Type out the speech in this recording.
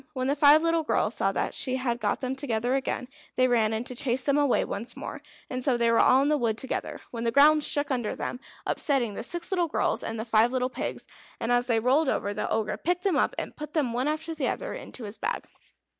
When the five little girls saw that she had got them together again, they ran in to chase them away once more, and so they were all in the wood together, when the ground shook under them, upsetting the six little girls and the five little pigs; and as they rolled over the Ogre picked them up, and put them one after another into his bag.